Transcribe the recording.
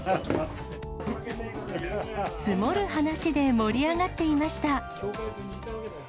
積もる話で盛り上がっていました。